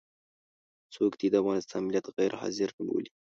څوک دې د افغانستان ملت غير حاضر نه بولي.